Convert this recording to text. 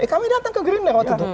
kami datang ke gerindra waktu itu